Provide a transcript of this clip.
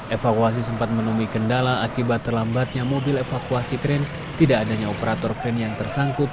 evakuasi sempat menemui kendala akibat terlambatnya mobil evakuasi kren tidak adanya operator kren yang tersangkut